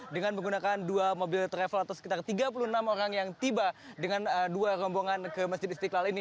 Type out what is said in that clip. dengan menggunakan dua mobil travel atau sekitar tiga puluh enam orang yang tiba dengan dua rombongan ke masjid istiqlal ini